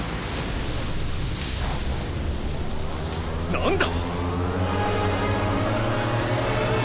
何だ！？